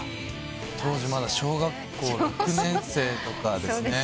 当時まだ小学校６年生とかですね。